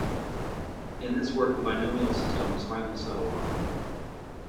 In this work the binomial system was finally settled on.